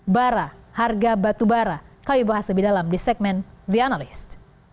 bara harga batubara kami bahas lebih dalam di segmen the analyst